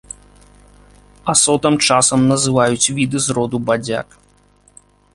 Асотам часам называюць віды з роду бадзяк.